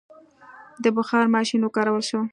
د بخار ماشین وکارول شو.